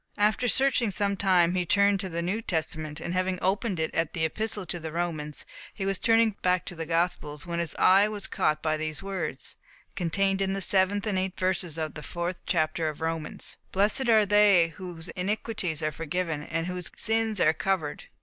After searching some time, he turned to the New Testament, and having opened it at the Epistle to the Romans, was turning back to the Gospels, when his eye was caught by these words (contained in the seventh and eighth verses of the fourth chapter of Romans): "Blessed are they whose iniquities are forgiven, and whose sins are covered.